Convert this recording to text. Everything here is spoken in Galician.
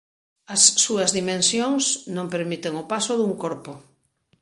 As súas dimensións non permiten o paso dun corpo.